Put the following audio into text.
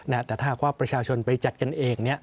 แต่ถ้าหากว่าประชาชนไปจัดกันเอง